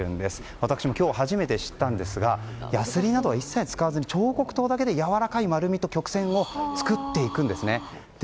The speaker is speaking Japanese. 私も今日、初めて知りましたがやすりなどは一切使わずに彫刻刀だけでやわらかい丸みを作っていくんです。